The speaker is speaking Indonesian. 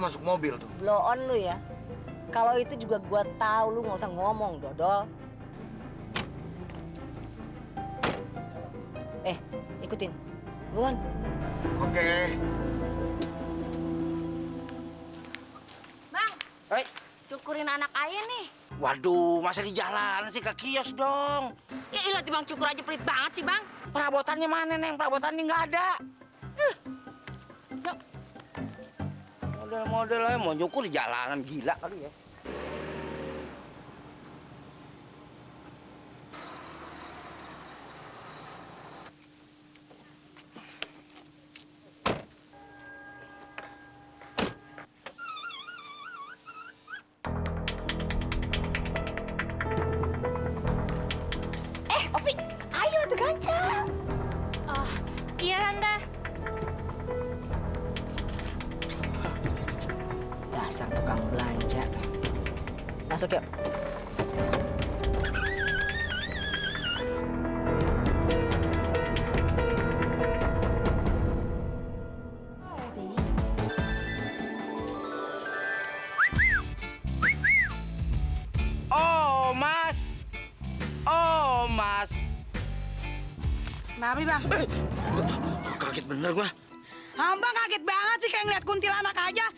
abang kaget banget sih kayak ngeliat kuntilanak aja